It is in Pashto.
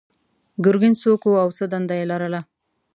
ګرګین څوک و او څه دنده یې لرله؟